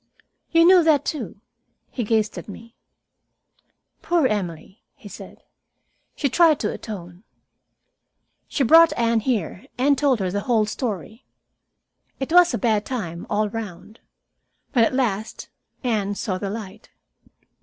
"You knew that, too!" He gazed at me. "Poor Emily," he said. "She tried to atone. She brought Anne here, and told her the whole story. It was a bad time all round. But at last Anne saw the light.